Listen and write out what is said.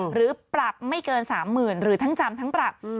หรือปรับไม่เกิน๓๐๐๐๐หรือทั้งจำทั้งปรับ